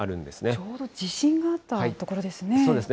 ちょうど地震があった所ですね。